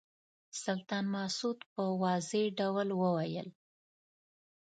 سلطان مسعود په واضح ډول وویل.